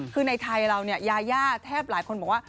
คือในไทยเราเนี่ยยายาแทบหลายคนบอกว่า